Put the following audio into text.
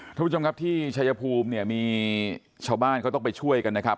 ทุกผู้ชมครับที่ชายภูมิเนี่ยมีชาวบ้านเขาต้องไปช่วยกันนะครับ